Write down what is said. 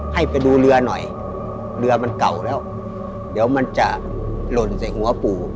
ให้ไปดูเรือหน่อยเรือมันเก่าแล้วเดี๋ยวมันจะหล่นใส่หัวปู่